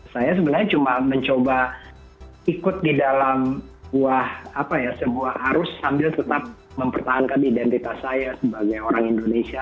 saya sebenarnya cuma mencoba ikut di dalam sebuah arus sambil tetap mempertahankan identitas saya sebagai orang indonesia